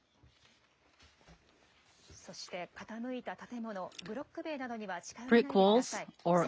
そして傾いた建物、ブロック塀などには近寄らないでください。